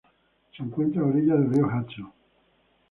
Se encuentra a orillas del río Hudson.